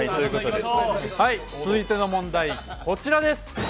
続いての問題、こちらです。